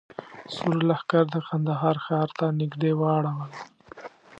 سور لښکر د کندهار ښار ته نږدې واړول.